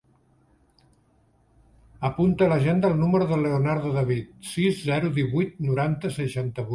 Apunta a l'agenda el número del Leonardo David: sis, zero, divuit, noranta, seixanta-vuit.